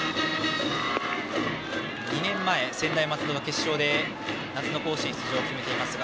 ２年前、専大松戸が決勝で夏の甲子園出場を決めていますが。